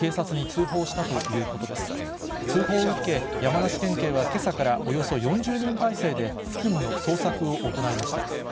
通報を受け、山梨県警はけさからおよそ４０人態勢で付近の捜索を行いました。